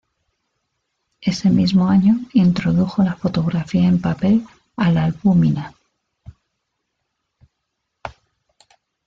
Ese mismo año introdujo la fotografía en papel a la albúmina.